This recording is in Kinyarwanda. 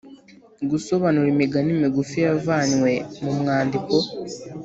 Gusobanura imigani migufi yavanywe mu mwandiko